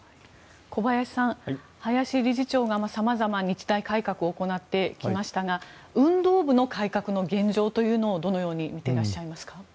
小林さん、林理事長が様々、日大改革を行ってきましたが運動部の改革の現状というのをどのように見ていらっしゃいますか？